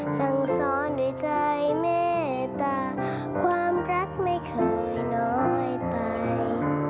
สั่งสอนด้วยใจแม่ตาความรักไม่เคยน้อยไป